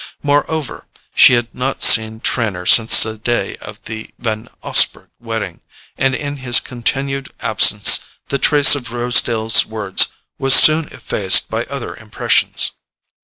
Moreover she had not seen Trenor since the day of the Van Osburgh wedding, and in his continued absence the trace of Rosedale's words was soon effaced by other impressions.